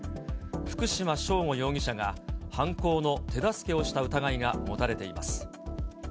福島聖悟容疑者が犯行の手助けをした疑いが持たれています。